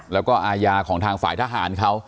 แล้วก็อาญาของทางฝ่ายทหารเขา